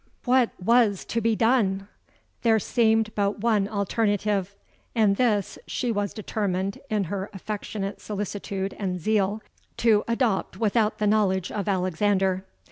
"What was to be done? There seemed but one alternative; and this she was determined, in her affectionate solicitude and zeal, to adopt without the knowledge of Alexander.